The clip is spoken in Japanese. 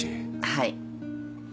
はい。